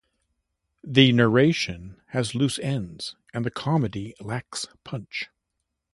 The narration has loose ends and the comedy lacks punch.